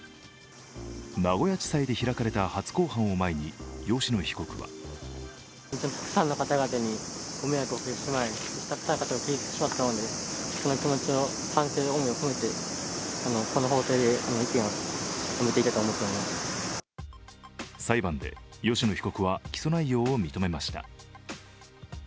名古屋地裁で開かれた初公判を前に吉野被告は裁判で吉野被告は起訴内容を認めました。